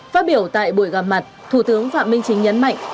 phát biểu tại buổi gặp mặt thủ tướng phạm minh chính nhấn mạnh